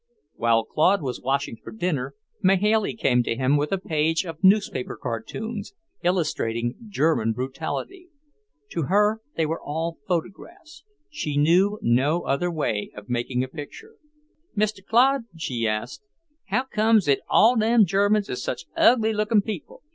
While Claude was washing for dinner, Mahailey came to him with a page of newspaper cartoons, illustrating German brutality. To her they were all photographs, she knew no other way of making a picture. "Mr. Claude," she asked, "how comes it all them Germans is such ugly lookin' people?